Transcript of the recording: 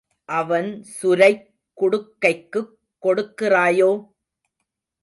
அவன் சுரைக் குடுக்கைக்குக் கொடுக்கிறாயோ?